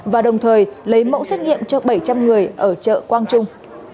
và đồng thời lấy mẫu xét nghiệm cho bảy trăm linh người ở chợ quang trung